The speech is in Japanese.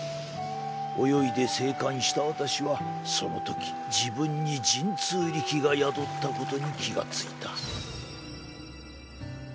泳いで生還した私はそのとき自分に神通力が宿ったことに気が付いた」。